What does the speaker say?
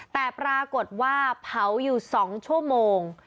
แต่ปรากฏว่าเผาอยู่๒ชั่วโมง